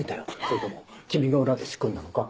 それとも君が裏で仕組んだのか？